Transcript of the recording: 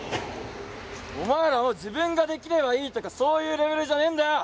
お前らは自分ができればいいとかそういうレベルじゃねえんだよ！